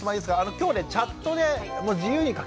今日ねチャットで自由に書き込めるんで。